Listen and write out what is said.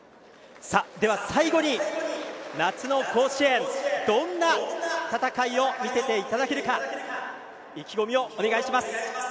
最後に夏の甲子園どんな戦いを見せていただけるか意気込みをお願いします。